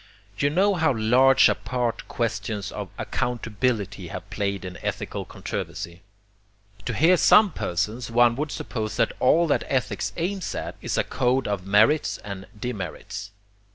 You know how large a part questions of ACCOUNTABILITY have played in ethical controversy. To hear some persons, one would suppose that all that ethics aims at is a code of merits and demerits.